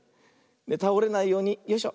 たおれないようによいしょ。